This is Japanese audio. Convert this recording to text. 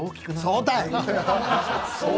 「そうたい」。